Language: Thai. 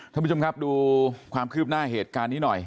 ท่านผู้ชมครับดูความคืบหน้าเหตุการณ์นี้หน่อย